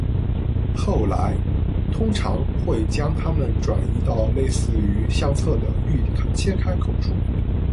后来，通常会将它们转移到类似于相册的预切开口处。